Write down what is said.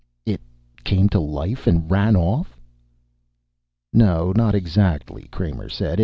"It came to life and ran off?" "No, not exactly," Kramer said.